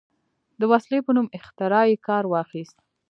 د وسلې په نوم اختراع یې کار واخیست.